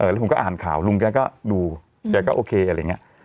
แล้วผมก็อ่านข่าวลุงแกก็ดูแกก็โอเคอะไรอย่างนี้